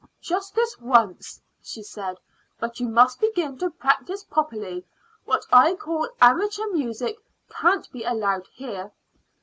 "Just this once," she said; "but you must begin to practice properly. What I call amateur music can't be allowed here."